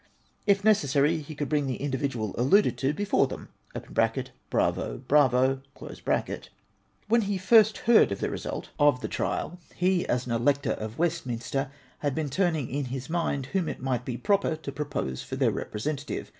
If necessary, he could bring the individual alluded to before them (" Bravo, bravo! "). When lie first heard of the result of 444 APPENDIX X. the trial, he, as an elector of Westminster, had 1)een turning in his mind whom it might be proper to propose for their re presentative.